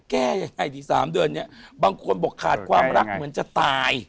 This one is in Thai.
แก้ยังไงดี๓เดือนเนี่ยบางคนบอกขาดความรักเหมือนจะตาย